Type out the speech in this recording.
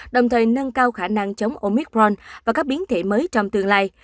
đồng thời nâng cao khả năng chống oicron và các biến thể mới trong tương lai